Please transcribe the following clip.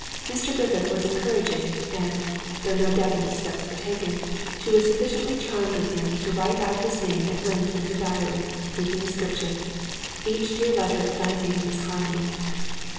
Mr. Griffith was encouraging, and, though no definite steps were taken, she was sufficiently charmed with him to write out his name at length in her diary, with the inscription "Each dear letter of thy name is harmony."